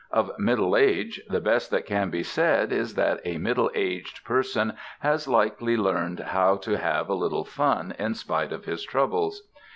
Of middle age the best that can be said is that a middle aged person has likely learned how to have a little fun in spite of his troubles.